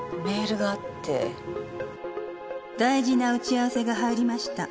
「大事な打ち合わせが入りました」